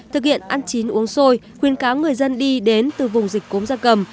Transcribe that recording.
thực hiện ăn chín uống sôi khuyên cáo người dân đi đến từ vùng dịch cúm da cầm